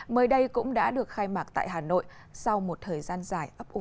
mới đây cũng đã được khai mạc tại hà nội sau một thời gian dài ấp ổ